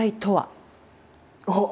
あっ！